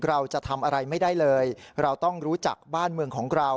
เราจะทำอะไรไม่ได้เลยเราต้องรู้จักบ้านเมืองของเรา